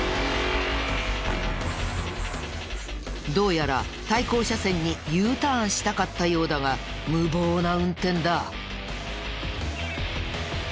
どうやら対向車線にＵターンしたかったようだが無謀な運転だ。